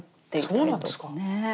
そうなんですか。